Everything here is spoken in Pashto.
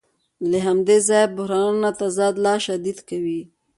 له همدې ځایه بحرانونه تضاد لا شدید کوي